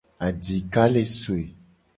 Adika le soe.